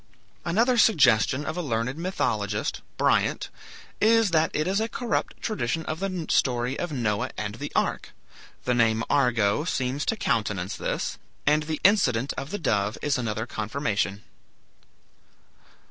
Another suggestion of a learned mythologist, Bryant, is that it is a corrupt tradition of the story of Noah and the ark. The name "Argo" seems to countenance this, and the incident of the dove is another confirmation.